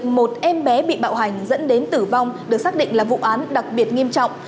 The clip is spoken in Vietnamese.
một em bé bị bạo hành dẫn đến tử vong được xác định là vụ án đặc biệt nghiêm trọng